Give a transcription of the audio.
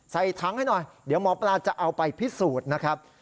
ใส่ถังให้หน่อยเดี๋ยวหมอปลาจะเอาไปพิสูจน์นะครับ